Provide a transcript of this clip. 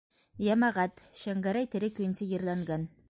Йәмәғәт, Шәңгәрәй тере көйөнсә ерләнгән.